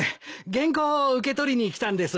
原稿を受け取りに来たんです。